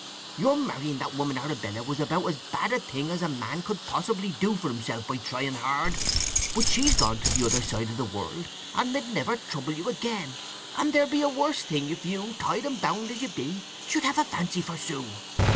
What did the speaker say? "Your marrying that woman Arabella was about as bad a thing as a man could possibly do for himself by trying hard. But she's gone to the other side of the world, and med never trouble you again. And there'll be a worse thing if you, tied and bound as you be, should have a fancy for Sue.